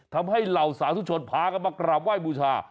เหล่าสาธุชนพากันมากราบไหว้บูชา